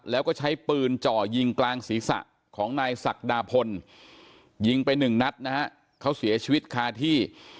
แล้วก็ใช้ปืนจ่อยิงกลางศีรษะของนายศักดาพลยิงไปหนึ่งนัดนะฮะเขาเสียชีวิตคาที่